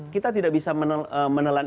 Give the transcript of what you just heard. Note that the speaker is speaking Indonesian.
kita tidak bisa menelan